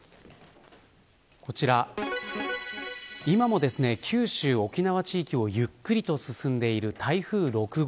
こちら、今も九州、沖縄地域をゆっくりと進んでいる台風６号。